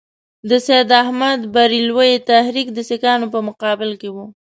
د سید احمدبرېلوي تحریک د سیکهانو په مقابل کې وو.